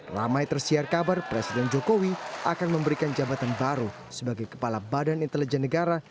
ramai tersiar kabar presiden jokowi akan memberikan jabatan baru sebagai kepala badan intelijen negara